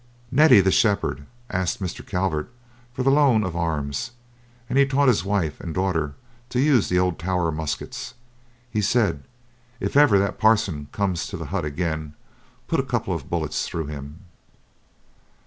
Neddy, the shepherd, asked Mr. Calvert for the loan of arms, and he taught his wife and daughter the use of old Tower muskets. He said, "If ever that Parson comes to the hut again, put a couple of bullets through him."